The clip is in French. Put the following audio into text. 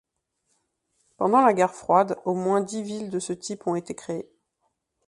Pendant la Guerre froide, au moins dix villes de ce type ont été créées.